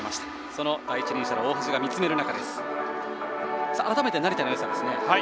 その第一人者の大橋が見つめる中改めて成田のよさですね。